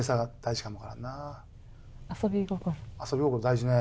遊び心大事ね。